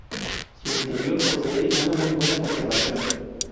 Su interior posee de una muy buena conservación.